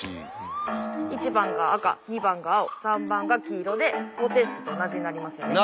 １番が赤２番が青３番が黄色で方程式と同じになりますよね。